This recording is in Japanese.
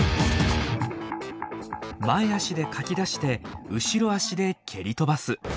前足でかき出して後ろ足で蹴り飛ばす。